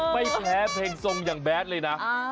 ไม่แพ้เพลงทรงอย่างแบดเลยนะ